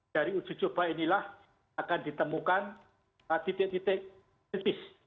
dari uji coba inilah akan ditemukan titik titik kritis